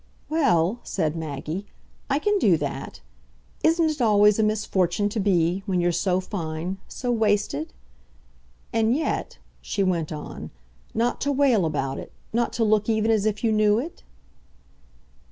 "Well," said Maggie, "I can do that. Isn't it always a misfortune to be when you're so fine so wasted? And yet," she went on, "not to wail about it, not to look even as if you knew it?"